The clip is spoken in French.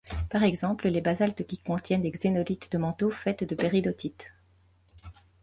Par exemple, les basaltes qui contiennent des xénolithes de manteau fait de péridotites.